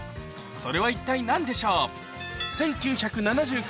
それは一体何でしょう？